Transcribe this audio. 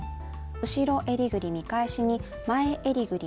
後ろえりぐり見返しに前えりぐり